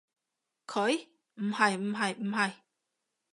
佢？唔係唔係唔係